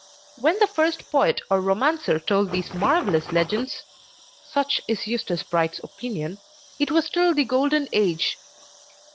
When the first poet or romancer told these marvellous legends (such is Eustace Bright's opinion), it was still the Golden Age.